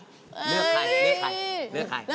เนื้อกัน